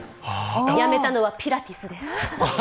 辞めたのはピラティスです。